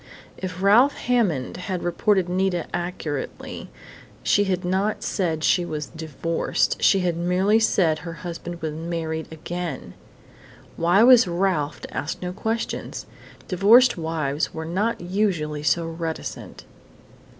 If Ralph Hammond had reported Nita accurately she had not said she was divorced. She had merely said her husband was married again! Why was Ralph to ask no questions? Divorced wives were not usually so reticent....